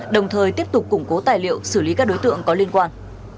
đồng thời tiếp tục củng cố tài liệu xử lý các đối tượng có liên quan